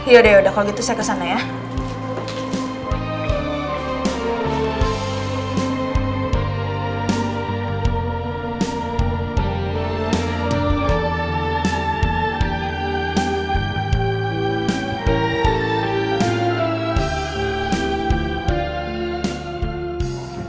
yaudah yaudah kalau gitu saya kesana ya